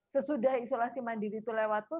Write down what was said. sesudah isolasi mandiri itu lewat pun